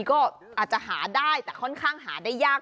ก็อาจจะหาได้แต่ค่อนข้างหาได้ยาก